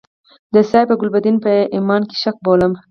د سیاف او ګلبدین په ایمان کې شک بولم.